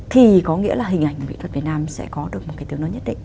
thì có nghĩa là hình ảnh mỹ thuật việt nam sẽ có được một cái tướng nón nhất định